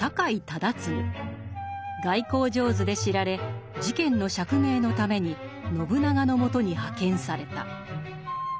外交上手で知られ事件の釈明のために信長の元に派遣された。